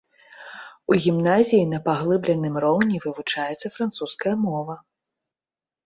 У гімназіі на паглыбленым роўні вывучаецца французская мова.